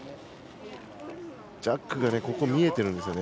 ジャックが見えてるんですよね。